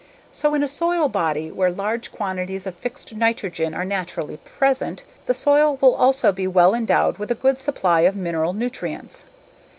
So in a soil body where large quantities of fixed nitrogen are naturally present, the soil will also be well endowed with a good supply of mineral nutrients.